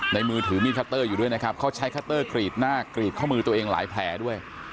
มือถือมีดคัตเตอร์อยู่ด้วยนะครับเขาใช้คัตเตอร์กรีดหน้ากรีดข้อมือตัวเองหลายแผลด้วย